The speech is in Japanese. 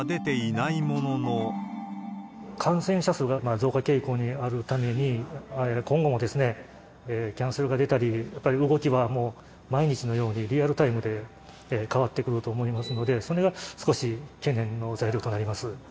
感染者数が増加傾向にあるために、今後もキャンセルが出たり、やっぱり動きはもう、毎日のようにリアルタイムで変わってくると思いますので、それが少し懸念の材料となります。